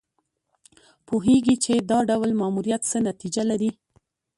پوهېږي چې دا ډول ماموریت څه نتیجه لري.